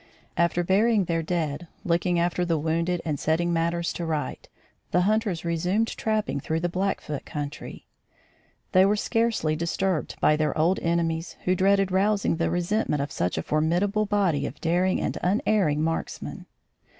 After burying their dead, looking after the wounded and setting matters to rights, the hunters resumed trapping through the Blackfoot country. They were scarcely disturbed by their old enemies who dreaded rousing the resentment of such a formidable body of daring and unerring marksmen.